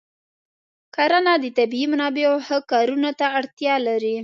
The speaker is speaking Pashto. کرنه د طبیعي منابعو ښه کارونه ته اړتیا لري.